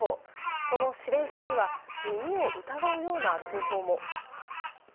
その指令室には耳を疑うような通報も。